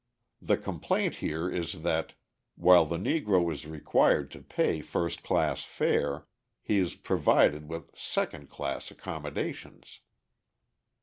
The complaint here is that, while the Negro is required to pay first class fare, he is provided with second class accommodations.